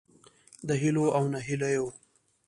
د هیلو او نهیلیو